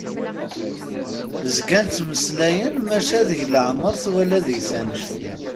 Zgan ttmeslayen maca deg leɛmer twala deg-s annect-a.